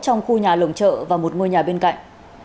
trong khu nhà lồng chợ và một ngôi nhà bên cạnh